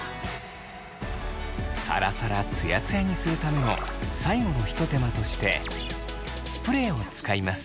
サラサラツヤツヤにするための最後のひと手間としてスプレーを使います。